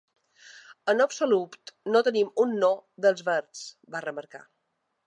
En absolut no tenim un “no” dels Verds, va remarcar.